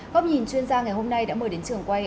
góc nhìn chuyên gia ngày hôm nay đã mời đến trường quay